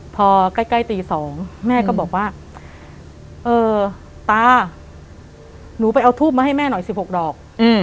พอใกล้ตี๒แม่ก็บอกว่าเออตาหนูไปเอาทูบมาให้แม่หน่อย๑๖ดอก